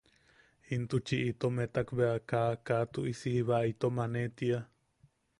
Intuchi itom etak bea kaa... kaa tuʼisi jiba itom aanne tiia.